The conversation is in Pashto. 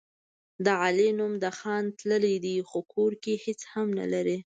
د علي نوم د خان تللی دی، خو کور کې هېڅ هم نه لري.